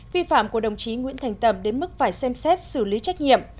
vi phạm của đồng chí nguyễn thành tẩm đến mức phải xem xét xử lý trách nhiệm